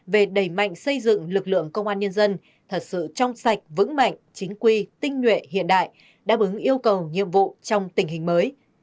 về đẩy mạnh xây dựng lực lượng công an nhân dân thật sự trong sạch vững mạnh chính quy tinh nguyện hiện đại đáp ứng yêu cầu nhiệm vụ trong tình hình mới